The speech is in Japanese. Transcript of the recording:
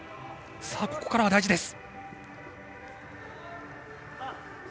ここからは大事です。